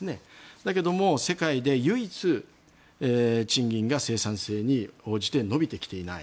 だけど、世界で唯一賃金が生産性に応じて伸びてきていない。